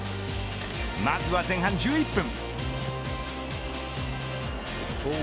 まずは前半１１分。